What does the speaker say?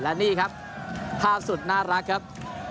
และนี่ครับภาพสุดน่ารักครับ